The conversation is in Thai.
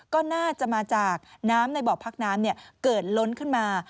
ก็น่าจะมาจากน้ำในบ่อพักน้ำเกิดล้นขึ้นมา